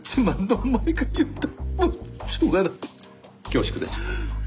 恐縮です。